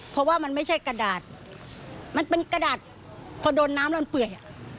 เพราะว่ามันไม่ใช่กระดาษมันเป็นกระดาษพอโดนน้ำแล้วมันเปื่อย